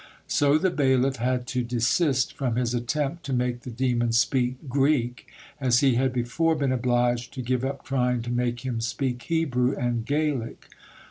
So the bailiff had to desist from his attempt to make the demon speak Greek, as he had before been obliged to give up trying to make him speak Hebrew and Gaelic.